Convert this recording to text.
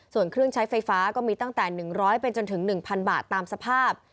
ส่วนเครื่องใช้ไฟฟ้าก็มีตั้งแต่๑๐๐เป็นจนถึง๑๐๐บาทตามสภาพ